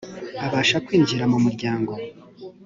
abashaka kwinjira mu umuryango